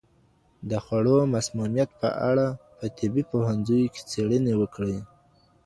د خوړو مسمومیت په اړه په طبي پوهنځیو کې څېړنې وکړئ.